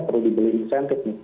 harus dibeli insentif nih